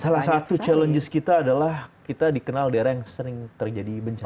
salah satu challenges kita adalah kita dikenal daerah yang sering terjadi bencana